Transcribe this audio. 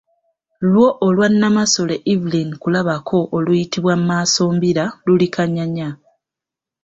Lwo olwa Nnamasole Evelyn Kulabako oluyitibwa Maasombira luli Kanyanya.